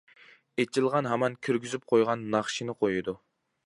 ئېچىلغان ھامان كىرگۈزۈپ قويغان ناخشىنى قويىدۇ.